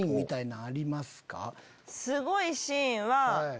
すごいシーンは。